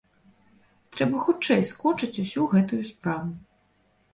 Трэба хутчэй скончыць усю гэтую справу.